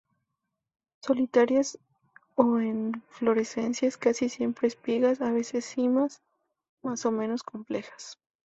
Solitarias o en inflorescencias, casi siempre espigas, a veces cimas más o menos complejas.